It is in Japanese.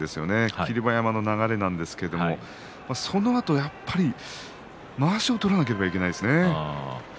霧馬山の流れなんですけどそのあとやっぱりまわしを取らなければいけないですね。